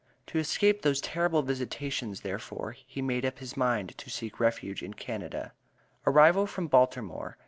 To escape those terrible visitations, therefore, he made up his mind to seek a refuge in Canada. ARRIVAL FROM BALTIMORE.